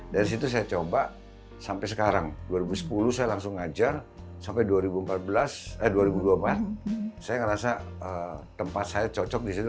dari situ saya coba sampai sekarang dua ribu sepuluh saya langsung ngajar sampai dua ribu dua puluh empat saya merasa tempat saya cocok di situ